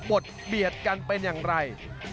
บทเบียดกันเป็นอย่างไร